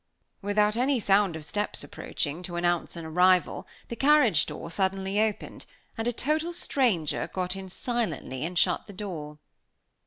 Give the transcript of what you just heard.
Without any sound of steps approaching, to announce an arrival, the carriage door suddenly opened, and a total stranger got in silently and shut the door.